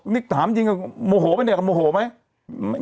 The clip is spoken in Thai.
ถ้าถามจริงโมโหไม่ได้คำพูดเกี่ยวกับโมโหไหม